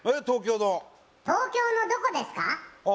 東京の東京のどこですか？